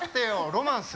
ロマンス？